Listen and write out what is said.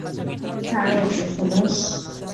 ছাড়ো ওকে, সুমেশ।